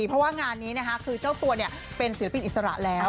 เพราะว่างานนี้นะคะคือเจ้าตัวเป็นศิลปินอิสระแล้ว